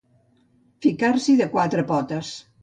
Ficar-s'hi de quatre potes.